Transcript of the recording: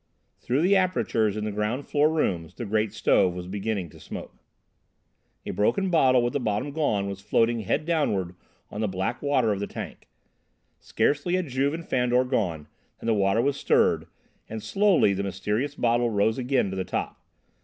Through the apertures in the ground floor rooms the great stove was beginning to smoke. A broken bottle with the bottom gone was floating head downward on the black water of the tank. Scarcely had Juve and Fandor gone than the water was stirred, and slowly the mysterious bottle rose again to the top.